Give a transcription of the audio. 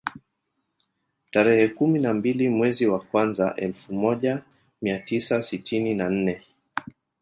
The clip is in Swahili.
Tarehe kumi na mbili mwezi wa kwanza elfu moja mia tisa sitini na nne